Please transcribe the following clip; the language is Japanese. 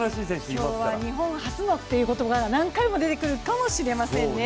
今日は日本初のという言葉が何回も出てくるかもしれませんね。